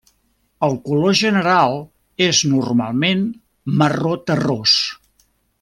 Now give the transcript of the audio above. El color general és normalment marró terrós.